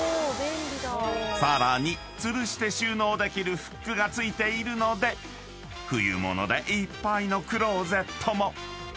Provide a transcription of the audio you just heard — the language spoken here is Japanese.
［さらにつるして収納できるフックが付いているので冬物でいっぱいのクローゼットも］